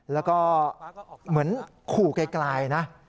แล้วก็เหมือนขู่ไกลนะ